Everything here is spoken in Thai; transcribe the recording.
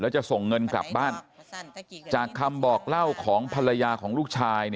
จะส่งเงินกลับบ้านจากคำบอกเล่าของภรรยาของลูกชาย